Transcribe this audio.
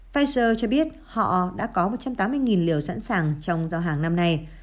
pfizer cho biết họ đã có một trăm tám mươi liều sẵn sàng trong giao hàng năm nay